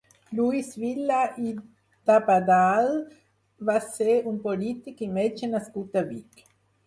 Lluís Vila i d'Abadal va ser un polític i metge nascut a Vic.